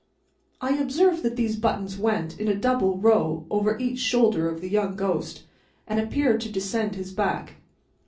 I observed that these buttons went, in a double row, over each shoulder of the young ghost, and appeared to descend his back.